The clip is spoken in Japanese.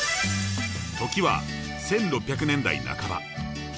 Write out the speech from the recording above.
時は１６００年代半ば。